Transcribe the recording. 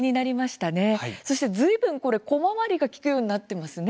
ずいぶん小回りが利くようになっていますね。